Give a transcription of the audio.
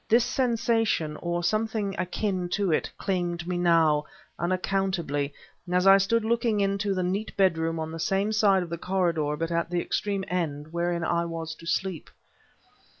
This sensation, or something akin to it, claimed me now, unaccountably, as I stood looking into the neat bedroom, on the same side of the corridor but at the extreme end, wherein I was to sleep.